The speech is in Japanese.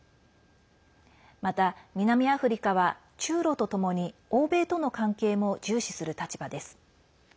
また、南アフリカは中ロとともに欧米との関係も重視する立場です。